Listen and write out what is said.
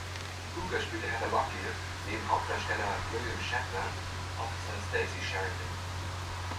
Hooker" spielte Heather Locklear neben Hauptdarsteller William Shatner Officer Stacy Sheridan.